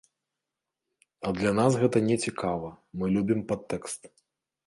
А для нас гэта не цікава, мы любім падтэкст.